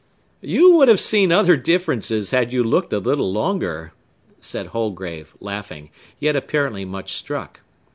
"You would have seen other differences had you looked a little longer," said Holgrave, laughing, yet apparently much struck.